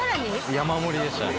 山盛りでしたね